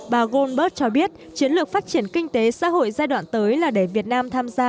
bà goldberg cho biết chiến lược phát triển kinh tế xã hội giai đoạn tới là để việt nam tham gia